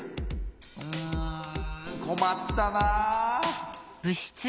うんこまったなぁ。